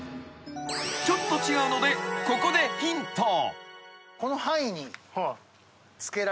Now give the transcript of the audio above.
［ちょっと違うのでここで］この範囲？